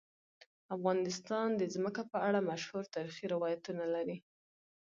افغانستان د ځمکه په اړه مشهور تاریخی روایتونه لري.